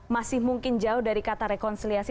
masih mungkin jauh dari kata rekonsiliasi